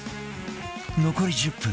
残り１０分